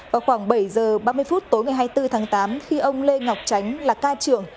vào khoảng bảy giờ ba mươi phút tối ngày hai mươi bốn tháng tám khi ông lê ngọc tránh là ca trưởng